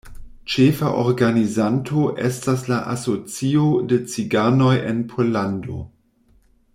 Ĉefa organizanto estas la Asocio de Ciganoj en Pollando.